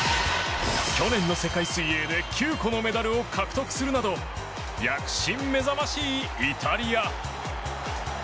去年の世界水泳で９個のメダルを獲得するなど躍進目覚ましいイタリア。